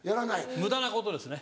無駄なことですね。